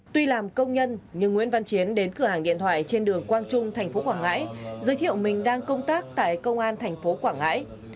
tuy làm công nhân nhưng nguyễn văn chiến đến cửa hàng điện thoại trên đường quang trung thành phố quảng ngãi giới thiệu mình đang công tác tại công an thành phố quảng ngãi